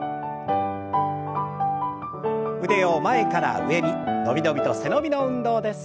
腕を前から上に伸び伸びと背伸びの運動です。